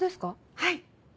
はい。